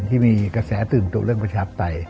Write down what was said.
ที่มีกระแสตื่นตัวเรื่องประชาปไตย